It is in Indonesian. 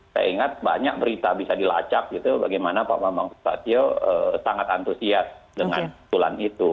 saya ingat banyak berita bisa dilacak gitu bagaimana pak bambang susatyo sangat antusias dengan usulan itu